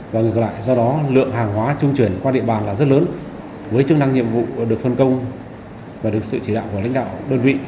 và ngược lại do đó lượng hàng hóa trung chuyển qua địa bàn là rất lớn với chức năng nhiệm vụ được phân công và được sự chỉ đạo của lãnh đạo đơn vị